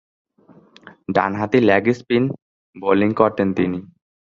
ডানহাতি leg spin bowling করতেন তিনি।